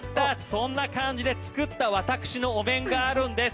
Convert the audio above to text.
そんな感じで作った私のお面があるんです。